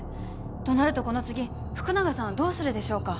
となるとこの次福永さんはどうするでしょうか？